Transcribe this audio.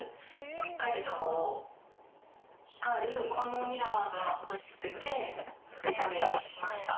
しっかりとこう光るこのミラーが欲しくてこれにしました。